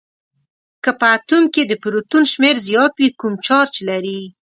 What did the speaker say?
که په اتوم کې د پروتون شمیر زیات وي کوم چارج لري؟